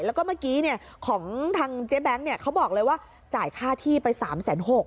แล้วก็เมื่อกี้ของทางเจ๊แบงค์เขาบอกเลยว่าจ่ายค่าที่ไป๓๖๐๐